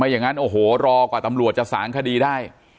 อย่างนั้นโอ้โหรอกว่าตำรวจจะสารคดีได้